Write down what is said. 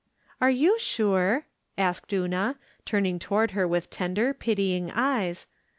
" Are you sure ?" asked Una, turning toward her with tender, pitying eyes.